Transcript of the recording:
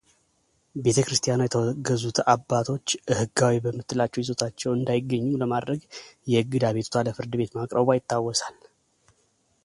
ቤተ ክርስቲያኗ የተወገዙት አባቶች ሕጋዊ በምትላቸው ይዞታዎቿ እንዳይገኙም ለማድረግ የእግድ አቤቱታ ለፍርድ ቤት ማቅረቧ ይታወሳል።